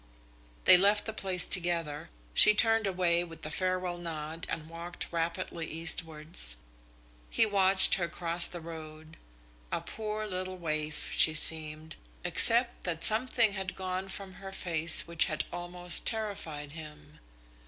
They left the place together. She turned away with a farewell nod and walked rapidly eastwards. He watched her cross the road. A poor little waif, she seemed, except that something had gone from her face which had almost terrified him.